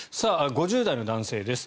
５０代の男性です。